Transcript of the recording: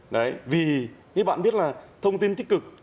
đấy vì như bạn biết là thông tin tích cực